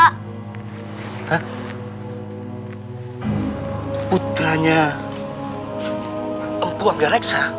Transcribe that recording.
hah putranya empu hanggareksa